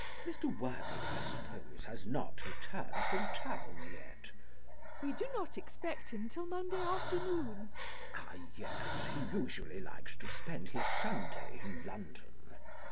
Ahem! Mr. Worthing, I suppose, has not returned from town yet? MISS PRISM. We do not expect him till Monday afternoon. CHASUBLE. Ah yes, he usually likes to spend his Sunday in London.